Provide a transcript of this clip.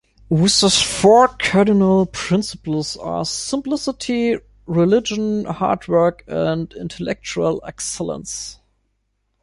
Wooster's four cardinal principles are simplicity, religion, hard work, and intellectual excellence.